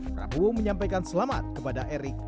prabowo menyampaikan selamat kepada erick